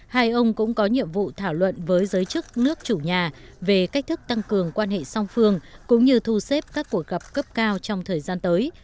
hai ông cũng có nhiệm vụ thảo luận với giới chức nước chủ nhà về cách thức tăng cường quan hệ song phương cũng như thu xếp các cuộc gặp cấp cao trong thời gian tới